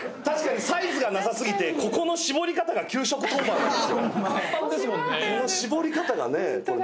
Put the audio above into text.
確かにサイズがなさ過ぎてここの絞り方が給食当番なんですよ。